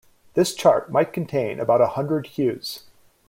This chart might contain about a hundred hues.